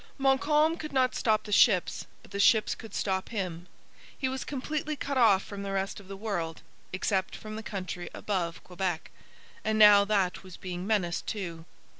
Montcalm could not stop the ships; but the ships could stop him. He was completely cut off from the rest of the world, except from the country above Quebec; and now that was being menaced too.